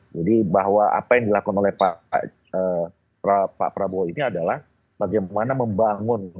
jadi bahwa apa yang dilakukan oleh pak prabowo ini adalah bagaimana membangun